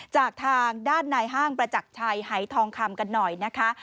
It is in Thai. จากทางด้านในห้างประจักรชัยหายทองคำกันหน่อยนะคะ